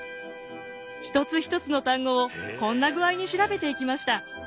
一つ一つの単語をこんな具合に調べていきました。